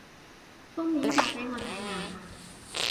封面發畀我睇下